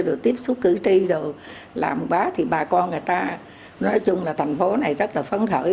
rồi tiếp xúc cử tri rồi làm bác thì bà con người ta nói chung là thành phố này rất là phấn khởi